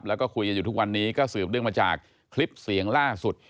แล้วก็คุยกันอยู่ทุกวันนี้ก็สืบเนื่องมาจากคลิปเสียงล่าสุด